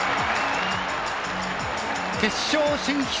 決勝進出。